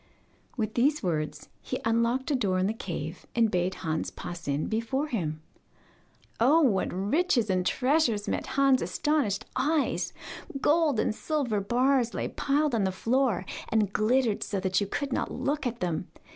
With these words he unlocked a door in the cave, and bade Hans pass in before him. Oh, what riches and treasures met Hans' astonished eyes! Gold and silver bars lay piled on the floor, and glittered so that you could not look at them!